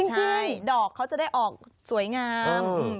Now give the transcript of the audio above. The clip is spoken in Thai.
ใช่ดอกเขาจะได้ออกสวยงาม